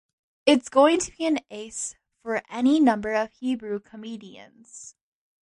It's going to be an ace for any number of Hebrew comedians.